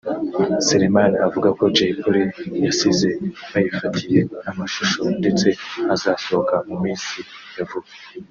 Selemani avuga ko Jay Polly yasize bayifatiye amashusho ndetse azasohoka mu minsi ya vuba